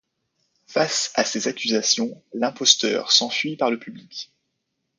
Face à ses accusations, l'imposteur s'enfuit par le public.